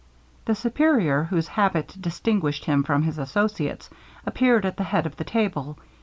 The Superior, whose habit distinguished him from his associates, appeared at the head of the table.